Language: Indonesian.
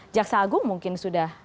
jaksa agung mungkin sudah